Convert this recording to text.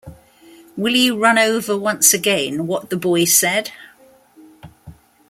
Will you run over, once again, what the boy said?